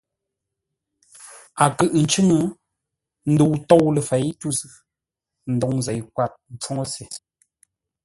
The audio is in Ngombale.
A kʉʼʉ ncʉ́ŋə́, ndəu tôu ləfěi tû zʉ́, ndôŋ zêi kwâr ḿpfúŋə́ se.